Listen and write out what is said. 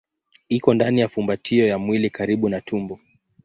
Iko ndani ya fumbatio ya mwili karibu na tumbo.